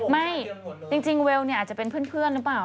ไม่จริงเวลเนี่ยอาจจะเป็นเพื่อนหรือเปล่า